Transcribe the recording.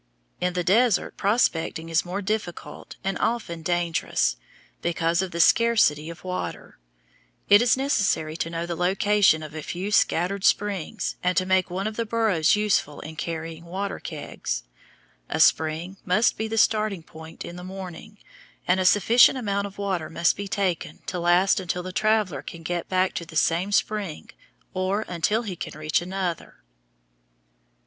In the desert prospecting is more difficult and often dangerous, because of the scarcity of water. It is necessary to know the location of the few scattered springs, and to make one of the burros useful in carrying water kegs. A spring must be the starting point in the morning, and a sufficient amount of water must be taken to last until the traveller can get back to the same spring or until he can reach another.